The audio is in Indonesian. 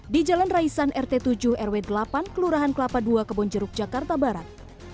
di jalan raisan rt tujuh rw delapan kelurahan kelapa ii kebonjeruk jakarta barat